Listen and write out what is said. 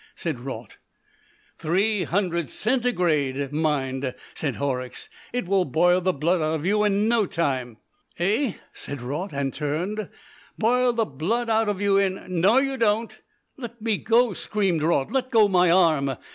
said Raut. "Three hundred centigrade, mind!" said Horrocks. "It will boil the blood out of you in no time." "Eigh?" said Raut, and turned. "Boil the blood out of you in.... No, you don't!" "Let me go!" screamed Raut. "Let go my arm!"